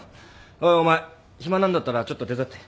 おいお前暇なんだったらちょっと手伝って。